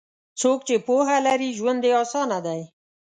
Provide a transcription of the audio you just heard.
څوک چې پوهه لري، ژوند یې اسانه دی.